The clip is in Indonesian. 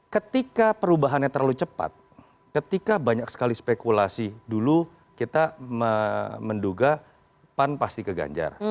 ketika perubahannya terlalu cepat ketika banyak sekali spekulasi dulu kita menduga pan pasti ke ganjar